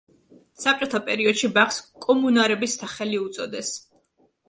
საბჭოთა პერიოდში ბაღს კომუნარების სახელი უწოდეს.